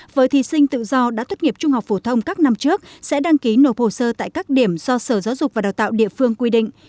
với thí sinh tự do đã tốt nghiệp trung học phổ thông các năm trước sẽ đăng ký nộp hồ sơ tại các điểm do sở giáo dục và đào tạo địa phương quy định